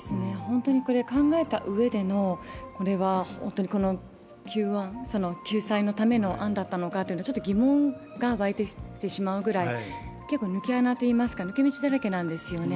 考えたうえでの救済のための案だったのかとちょっと疑問が湧いてきてしまうぐらい、結構抜け穴といいますか、抜け道だらけなんですよね。